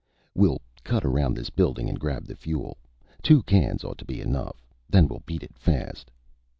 "We'll cut around this building and grab the fuel. Two cans ought to be enough. Then we'll beat it fast."